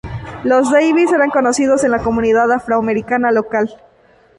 Los Davis eran conocidos en la comunidad afroamericana local.